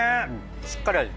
しっかり。